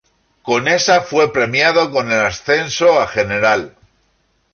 Conesa fue premiado con el ascenso a general.